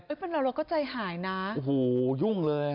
เป็นเราเราก็ใจหายนะโอ้โหยุ่งเลย